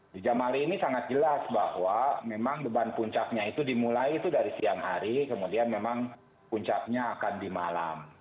di jamali ini sangat jelas bahwa memang beban puncaknya itu dimulai itu dari siang hari kemudian memang puncaknya akan di malam